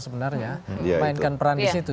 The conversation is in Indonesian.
sebenarnya memainkan peran di situ